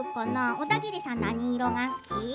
オダギリさん、何色が好き？